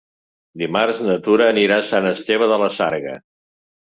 Dimarts na Tura anirà a Sant Esteve de la Sarga.